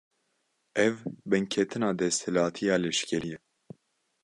Ev, binketina desthilatiya leşkerî ye